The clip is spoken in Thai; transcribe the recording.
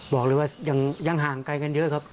บอกเลยว่ายังห่างไกลกันเยอะครับ